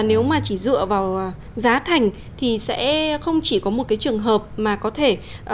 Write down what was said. nếu mà chỉ dựa vào giá thành thì sẽ không chỉ có một cái trường hợp mà có thể